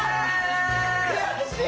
悔しい！